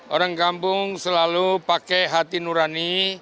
orang kampung selalu pakai hati nurani